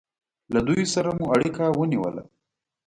له دوی سره مو اړیکه ونیوله.